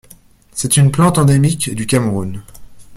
C'est une plante endémique du Cameroun.